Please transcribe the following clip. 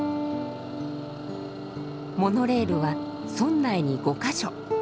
モノレールは村内に５か所。